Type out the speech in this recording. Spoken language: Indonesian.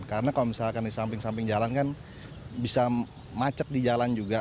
karena kalau misalkan di samping samping jalan kan bisa macet di jalan juga